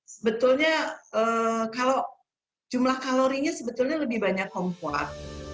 sebetulnya kalau jumlah kalorinya sebetulnya lebih banyak kompak